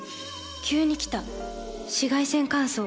急に来た紫外線乾燥。